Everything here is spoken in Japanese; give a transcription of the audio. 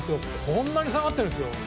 こんなに下がってるんですよ。